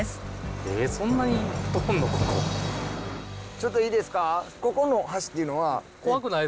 ちょっといいですか？